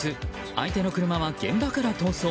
相手の車は現場から逃走。